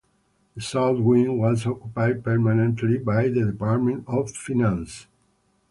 The south wing was occupied permanently by the Department of Finance.